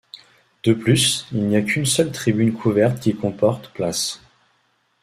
De plus, il n'y qu'une seule tribune couverte qui comporte places.